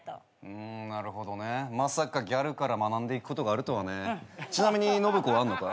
うーんなるほどね。まさかギャルから学んでいくことがあるとはね。ちなみに信子はあんのか？